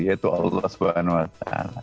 yaitu allah swt